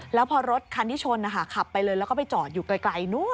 แล้วพอรถคันที่ชนนะคะขับไปเลยแล้วก็ไปจอดอยู่ไกลนู้น